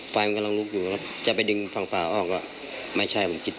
ไฟมันกำลังลุกอยู่นะเมื่อไปดึงฝั่งฝ่าลออกไม่ใช่ผมคิด